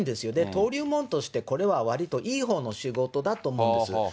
登竜門として、これは割といい方の仕事だと思うんです。